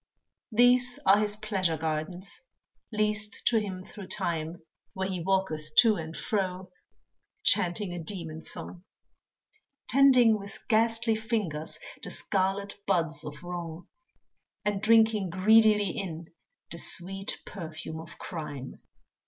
These are his pleasure gardens, leased to him through time Where he walketh to and fro, chanting a demon song; Tending with ghastly fingers, the scarlet buds of wrong, And drinking greedily in the sweet perfume of crime.